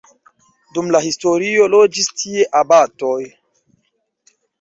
Dum la historio loĝis tie abatoj.